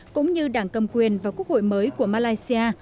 cũng như đảng cầm quyền và quốc hội mới của malaysia